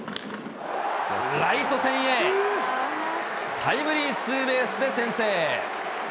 ライト線へ、タイムリーツーベースで先制。